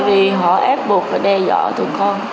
tại vì họ ép buộc và đe dọa tụi con